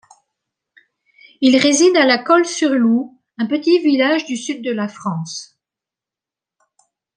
Il réside à La Colle-sur-Loup, un petit village du sud de la France.